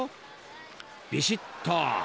［ビシッと］